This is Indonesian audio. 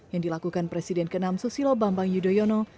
yang dilakukan presiden ke enam susilo bambang yudhoyono